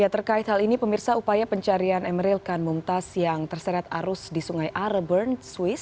terkait hal ini pemirsa upaya pencarian emeril kan mumtaz yang terseret arus di sungai are bern swiss